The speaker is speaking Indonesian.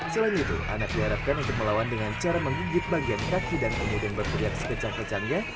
selain itu anak diharapkan untuk melawan dengan cara menggigit bagian kaki dan kemudian berteriak sekecah kecangnya